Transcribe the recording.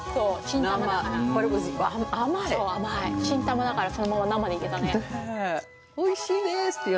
新玉だからそのまま生でいけたね。